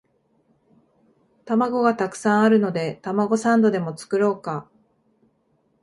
玉子がたくさんあるのでたまごサンドでも作ろうか